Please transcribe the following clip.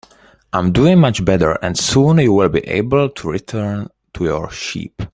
I'm doing much better, and soon you'll be able to return to your sheep.